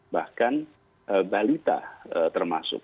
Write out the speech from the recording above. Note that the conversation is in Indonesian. bahkan balita termasuk